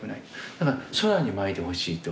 だから空にまいてほしいと。